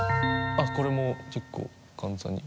これも結構簡単に。